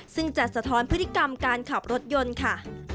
ซึ่งจะสะท้อนพฤติกรรมการขับรถยนต์ค่ะ